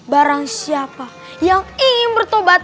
barangsiapa yang ingin bertobat